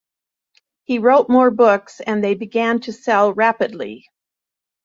He wrote more books and they began to sell rapidly.